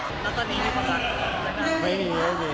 แล้วก็มีดังปั๊กท์ไหมตั้งแต่ดิน